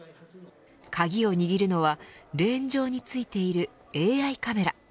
鍵を握るのはレーン上に付いているＡＩカメラ。